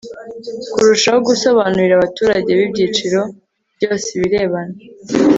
kurushaho gusobanurira abaturage b ibyiciro byose ibirebana